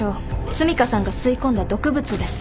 澄香さんが吸い込んだ毒物です。